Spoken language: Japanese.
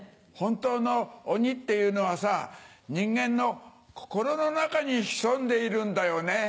本当の鬼っていうのはさぁ人間の心の中に潜んでいるんだよね？